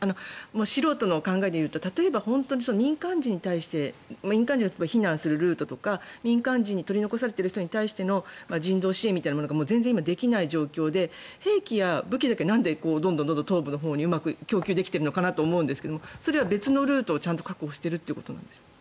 素人の考えでいうと例えば本当に民間人に対して民間人が避難するルートとか民間人、取り残されている人に対しての人道支援が全然今できない状況で兵器や武器だけなんでどんどん東部のほうに供給できているのかなと思うんですがそれは別のルートをちゃんと確保しているということなんでしょうか。